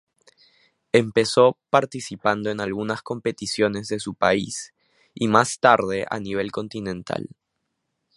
Empezó participando en algunas competiciones de su país, y más tarde a nivel continental.